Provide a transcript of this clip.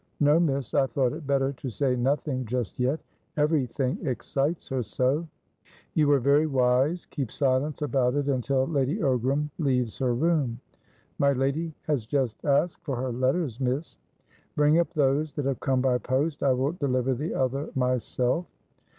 "No, miss. I thought it better to say nothing just yet. Everything excites her so." "You were very wise. Keep silence about it until Lady Ogram leaves her room." "My lady has just asked for her letters, miss." "Bring up those that have come by post. I will deliver the other myself."